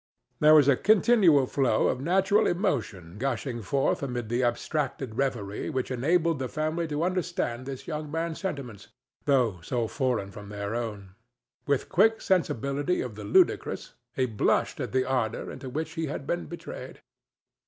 There was a continual flow of natural emotion gushing forth amid abstracted reverie which enabled the family to understand this young man's sentiments, though so foreign from their own. With quick sensibility of the ludicrous, he blushed at the ardor into which he had been betrayed.